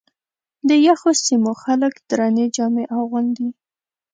د یخو سیمو خلک درنې جامې اغوندي.